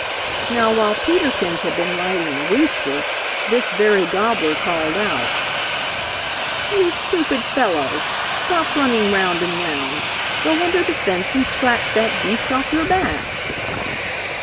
Now while Peter Kins had been riding the rooster, this very gobbler called out, "You stupid fellow! Stop running round and round! Go under the fence and scratch that beast off your back!"